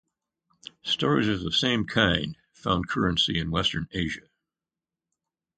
Stories of the same kind found currency in western Asia.